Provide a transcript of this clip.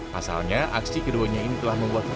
pasalnya aksi keduanya ini telah membuat